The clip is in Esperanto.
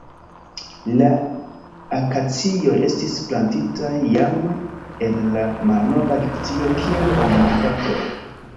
La akacioj estis plantitaj jam en la malnova Egiptio kiel ornamplantoj.